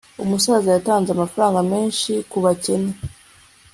umusaza yatanze amafaranga menshi kubakene